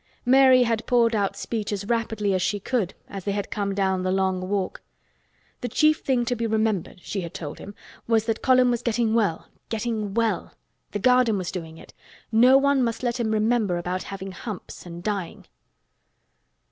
Mary had poured out speech as rapidly as she could as they had come down the Long Walk. The chief thing to be remembered, she had told him, was that Colin was getting well—getting well. The garden was doing it. No one must let him remember about having humps and dying.